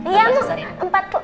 iya bu empat bu